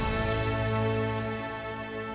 ketika mereka berpikir